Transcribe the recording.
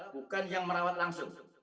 bukan yang merawat langsung